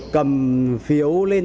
cầm phiếu lên